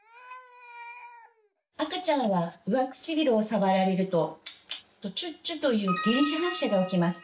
赤ちゃんは上唇を触られるとチュッチュという「原始反射」が起きます。